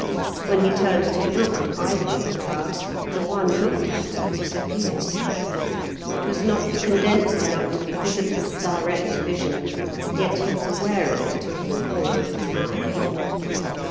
When he turned to look at either of the clouds, the one looked at disappeared. It was not condensed enough to be visible to direct vision, yet he was aware of it from the corner of his eye.